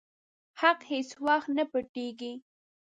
حق هيڅ وخت نه پټيږي.